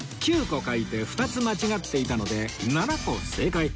９個書いて２つ間違っていたので７個正解